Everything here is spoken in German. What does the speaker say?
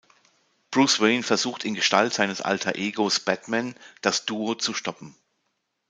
Bruce Wayne versucht in Gestalt seines Alter Egos "Batman" das Duo zu stoppen.